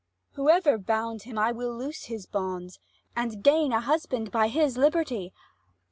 Abb. Whoever bound him, I will loose his bonds, And gain a husband by his liberty.